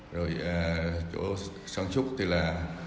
rồi chỗ sản xuất thì là